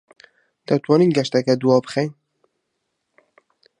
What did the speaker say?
دەتوانین گەشتەکە دوابخەین؟